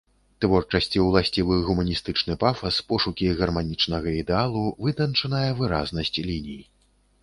Творчасці ўласцівы гуманістычны пафас, пошукі гарманічнага ідэалу, вытанчаная выразнасць ліній.